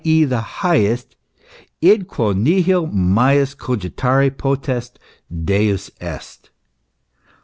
e., the highest. Id quo nihil majus cogitari potest, Deus est.